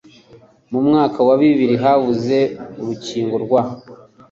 Mu mwaka wa bibirihabuze urukingo rwa